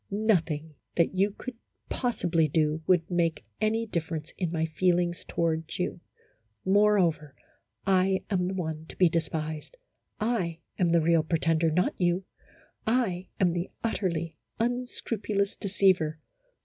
Nothing that you could possibly do would make any difference in my feelings toward you ; moreover, / am the one to be despised. I am the real pre tender, not you ! I am the utterly unscrupulous deceiver.